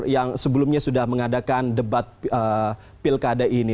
yang sebelumnya sudah mengadakan debat pilkada ini